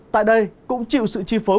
tại đây cũng chịu sự chi phối